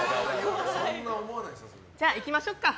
じゃあ行きましょうか。